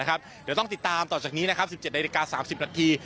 เดี๋ยวต้องติดตามต่อจากนี้นะครับ๑๗นาฬิกา๓๐นาที